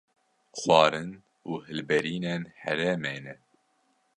Xwarin û hilberînên herêmê ne